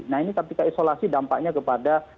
nah ini ketika isolasi dampaknya kepada